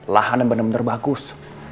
lahan yang bener bener bagus